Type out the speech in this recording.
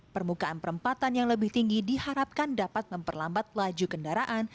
permukaan perempatan yang lebih tinggi diharapkan dapat memperlambat laju kendaraan